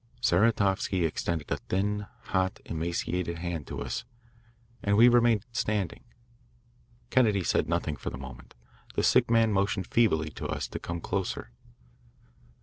Saratovsky extended a thin, hot, emaciated hand to us, and we remained standing. Kennedy said nothing for the moment. The sick man motioned feebly to us to come closer.